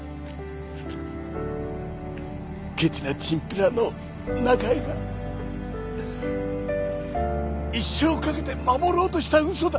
ケチなチンピラの中井が一生懸けて守ろうとしたウソだ